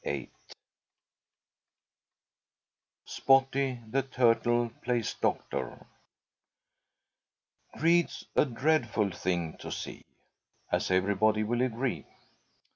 VIII SPOTTY THE TURTLE PLAYS DOCTOR Greed's a dreadful thing to see, As everybody will agree.